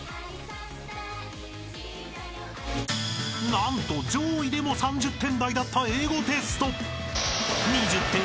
［何と上位でも３０点台だった英語テスト］